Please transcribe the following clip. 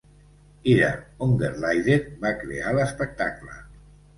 Ira Ungerleider va crear l'espectacle.